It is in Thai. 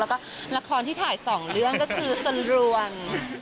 แล้วก็ละครที่ถ่าย๒เรื่องก็คือสนรวง